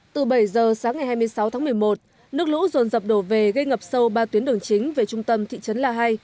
từ bảy giờ sáng ngày hai mươi sáu tháng một mươi một nước lũ rồn rập đổ về gây ngập sâu ba tuyến đường chính về trung tâm thị trấn là hai